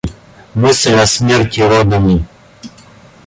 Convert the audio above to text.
Мысль о смерти родами.